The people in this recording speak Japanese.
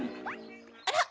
あら？